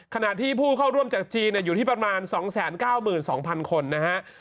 ขณะที่ผู้เข้าร่วมจากจีนอยู่ที่ประมาณ๒๙๒๐๐คนนะฮะ